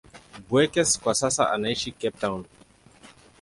Beukes kwa sasa anaishi Cape Town.